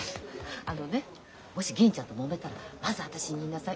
あのねもし銀ちゃんともめたらまず私に言いなさい。